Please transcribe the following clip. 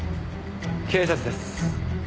警察です。